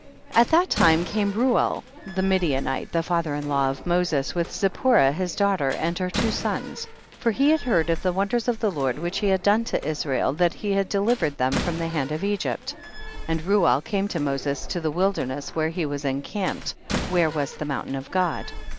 2. At that lime came Reuel the Midianite, the fatiicr in law of Mo ses, with Zipporah his daughter and her two sons, for he had heard of the wonders of the Lord which he had done to Israel, that he had delivered them from the hand of Egypt. 3. And Reuel came to Moses to the wilderness where he was en camped, where was the mountain of God.